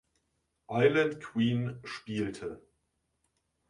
Island Queen" spielte.